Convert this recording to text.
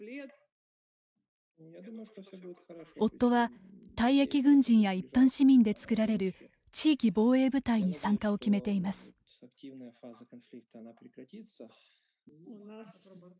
夫は、退役軍人や一般市民で作られる地域防衛部隊に参加を決めています。